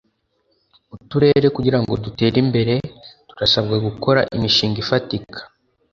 Uturere kugira ngo duterembere turasabwa gukora imishinga ifatika